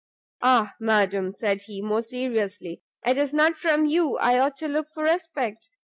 "Ah, madam!" said he, more seriously, "it is not from you I ought to look for respect!